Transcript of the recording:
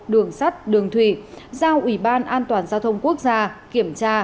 đường sắt đường thủy giao ủy ban an toàn giao thông quốc gia kiểm tra